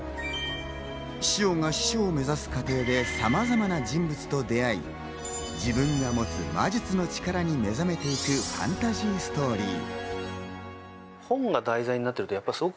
シオが司書を目指す過程でさまざまな人物と出会い、自分が持つ魔術の力に目覚めていくファンタジーストーリー。